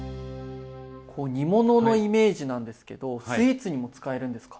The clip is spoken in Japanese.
煮物のイメージなんですけどスイーツにも使えるんですか？